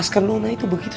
sekarang kita guide